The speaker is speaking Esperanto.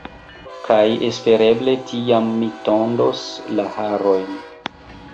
Kaj espereble tiam mi tondos la harojn.